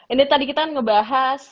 ini tadi kita ngebahas